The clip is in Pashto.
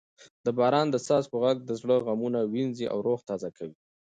د باران د څاڅکو غږ د زړه غمونه وینځي او روح تازه کوي.